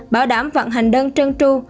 bảo đảm vận hành đơn trơn tru